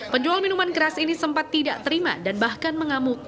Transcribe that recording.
penjual minuman keras ini sempat tidak terima dan bahkan mengamuk